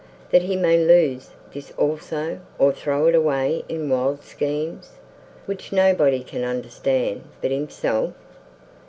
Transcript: that he may lose this also, or throw it away in wild schemes, which nobody can understand but himself?